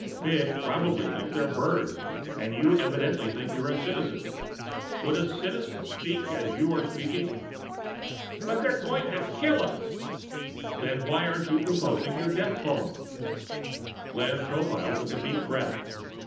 "Fish probably think they're birds and you evidently think you're a Citizen. Would a Citizen speak as you are speaking?" "But they're going to kill us!" "Then why aren't you composing your death poem?" Glenn Tropile took a deep breath.